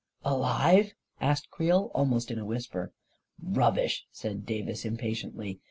" Alive ?" asked Creel, almost in a whisper. " Rubbish !" said Davis, impatiently.